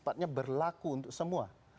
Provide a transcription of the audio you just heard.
sifatnya berlaku untuk semua